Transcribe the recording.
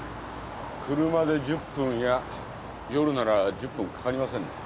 車で１０分いや夜なら１０分かかりませんね。